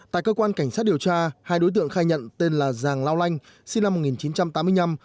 tại cơ quan cảnh sát điều tra hai đối tượng khai nhận tên là giàng lao lanh sinh năm một nghìn chín trăm tám mươi năm